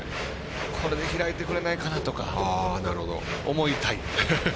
これで開いてくれないかなとか思いたい。